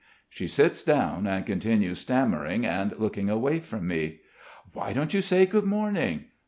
She sits down and continues, stammering and looking away from me. "Why don't you say 'Good morning'?